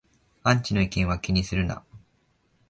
アンチの意見は気にするな